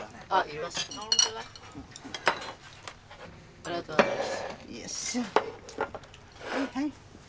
ありがとうございます。